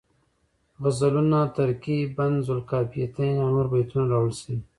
غزلونه، ترکیب بند ذوالقافیتین او نور بیتونه راوړل شوي